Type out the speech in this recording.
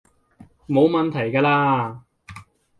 冇問題㗎喇